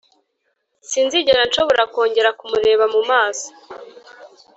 sinzigera nshobora kongera kumureba mu maso.